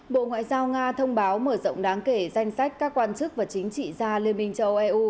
bộ ngoại giao nga thông báo mở rộng đáng kể danh sách các quan chức và chính trị gia liên minh châu âu eu